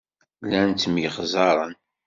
Llan ttemyexzaren.